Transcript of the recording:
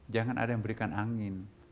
jangan ada yang memberikan angin